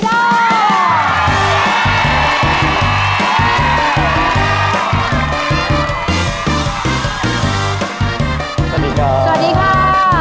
สวัสดีสวัสดีค่า